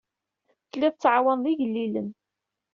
Telliḍ tettɛawaneḍ igellilen.